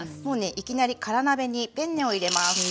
もうねいきなり空鍋にペンネを入れます。